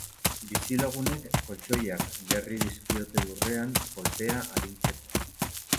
Bizilagunek koltxoiak jarri dizkiote lurrean, kolpea arintzeko.